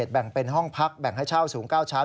แบ่งเป็นห้องพักแบ่งให้เช่าสูง๙ชั้น